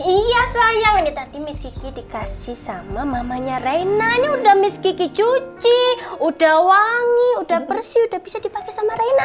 iya sayang ini tadi miss kiki dikasih sama mamanya reina ini udah miss kiki cuci udah wangi udah bersih udah bisa dipakai sama reina